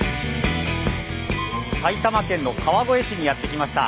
埼玉県の川越市にやって来ました。